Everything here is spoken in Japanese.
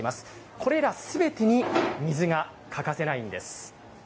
これらすべてに水が欠かせないんです。